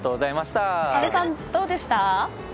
阿部さん、どうでした？